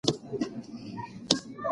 هر انسان په خپله لاره یو لاروی دی.